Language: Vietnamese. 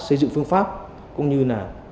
xây dựng phương pháp cũng như là